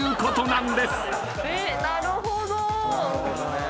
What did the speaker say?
なるほどね。